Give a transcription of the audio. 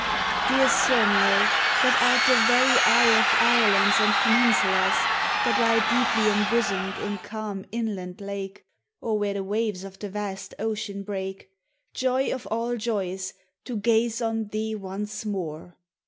Dear Sirniio, that art the very eye Of islands and peninsulas, that lie Deeply embosomed in calm inland lake, Or where the waves of the vast ocean break; Joy of all joys, to gaze on thee once more!